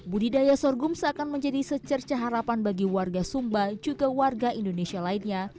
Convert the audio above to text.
budidaya sorghum seakan menjadi secerca harapan bagi warga sumba juga warga indonesia lainnya